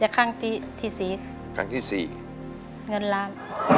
ครั้งที่ที่สี่ค่ะครั้งที่สี่เงินล้าน